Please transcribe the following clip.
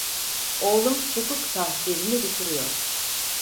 Oğlum hukuk tahsilini bitiriyor!